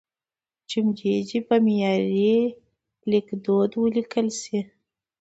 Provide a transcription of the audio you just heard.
جملې دې په معیاري لیکدود ولیکل شي.